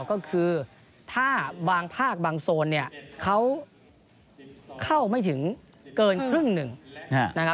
ก็คือถ้าบางภาคบางโซนเนี่ยเขาเข้าไม่ถึงเกินครึ่งหนึ่งนะครับ